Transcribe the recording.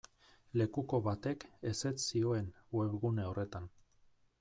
Lekuko batek ezetz zioen webgune horretan.